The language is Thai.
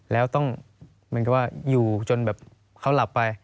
แล้วต้องเหมือนกับว่าอยู่จนแบบเขาหลับไป